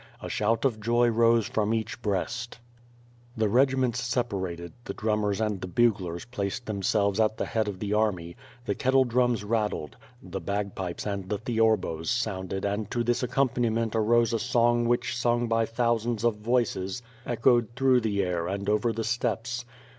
A shout of joy rose from each breast. 152 WITH FIRE AND SWORD. 153 The regiments separated; the drummers and the buglers placed themselves at the head of the army; the kettledrums rattled; the bagpipes and the theorbos sounded and to this accompaniment arose a song which sung by thousands of voices echoed through the air and over the steppes.